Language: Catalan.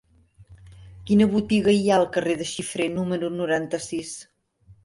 Quina botiga hi ha al carrer de Xifré número noranta-sis?